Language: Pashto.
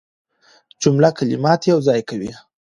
جمله کلمات یوځای کوي.